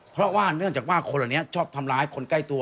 เพราะว่าเนื่องจากว่าคนเหล่านี้ชอบทำร้ายคนใกล้ตัว